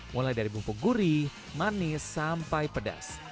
mulai dari bumbu gurih manis sampai pedas